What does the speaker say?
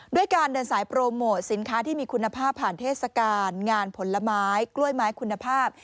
ด้วยการเดินสายโปรโมทสินค้าที่มีคุณภาพผ่านเทศกาลงานผลไม้กล้วยไม้คุณภาพ